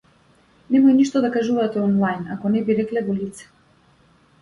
Немој ништо да кажувате онлајн ако не би рекле во лице.